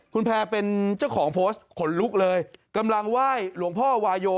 คุณแพร่เป็นเจ้าของโพสต์ขนลุกเลยกำลังไหว้หลวงพ่อวายโย